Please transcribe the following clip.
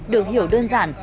được hiểu đơn giản